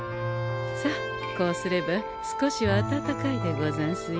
さあこうすれば少しはあたたかいでござんすよ。